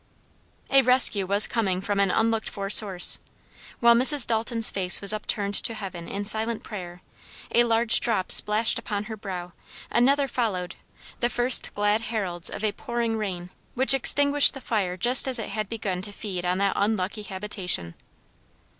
A rescue was coming from an unlooked for source. While Mrs. Dalton's face was upturned to heaven in silent prayer, a large drop splashed upon her brow; another followed the first glad heralds of a pouring rain which extinguished the fire just as it had begun to feed on that unlucky habitation.